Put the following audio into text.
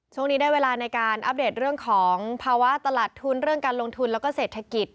ช่วงนี้ได้เวลาในการอัปเดตเรื่องของภาวะตลาดทุนเรื่องการลงทุนแล้วก็เศรษฐกิจ